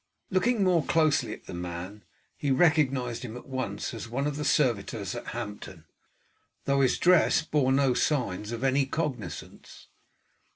Looking more closely at the man he recognized him at once as one of the servitors at Hampton, though his dress bore no signs of any cognizance.